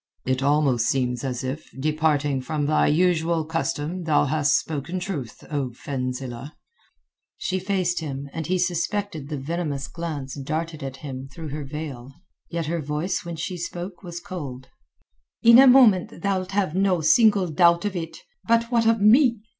"It almost seems as if, departing from thy usual custom, thou hast spoken truth, O Fenzileh." She faced him, and he suspected the venomous glance darted at him through her veil. Yet her voice when she spoke was cold. "In a moment thou'lt have no single doubt of it. But what of me?"